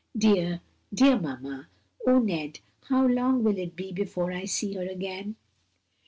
Dear, dear mamma! Oh, Ned, how long will it be before I see her again?"